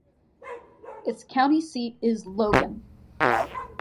Its county seat is Logan.